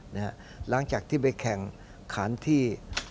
หลังจากที่ไปแข่งขันที่